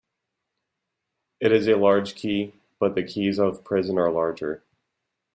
It is a large key, but the keys of prisons are larger.